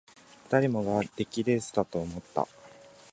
誰もが出来レースだと思った